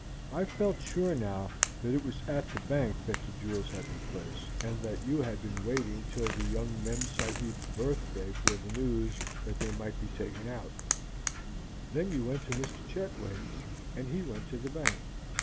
I felt sure now that it was at that bank that the jewels had been placed, and that you had been waiting till the young memsahib's birthday for the news that they might be taken out; then you went to Mr. Chetwynd's, and he went to the bank.